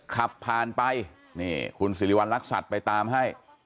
ขับผ่านไปนี่คุณสิริวัณรักษัตริย์ไปตามให้